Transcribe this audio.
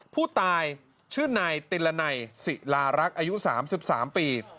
ผู้ตายชื่อนายติลนัยศิลารักษ์อายุ๓๓ปี